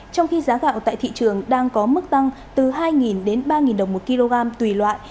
trong khi giá gạo tại thị trường đang có mức tăng từ hai đến ba đồng một kg tùy loại